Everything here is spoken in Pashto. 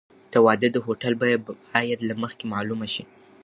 د واده د هوټل بیه باید له مخکې معلومه شي.